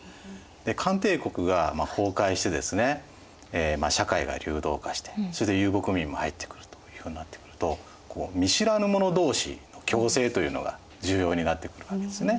で漢帝国が崩壊してですね社会が流動化してそれで遊牧民も入ってくるというようになってくると見知らぬ者同士の共生というのが重要になってくるわけですね。